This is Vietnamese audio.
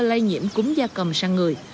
lây nhiễm cúm da cầm sang người